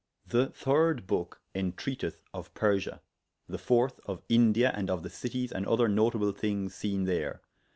The 3rd book entreateth of Persia, the 4th of India, and of the cities and other notable thynges seene there.